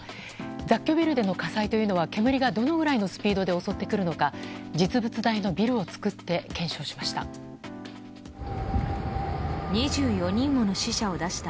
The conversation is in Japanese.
雑居ビルでの火災というのは煙がどのくらいのスピードで襲ってくるのか実物大のビルを作って検証しました。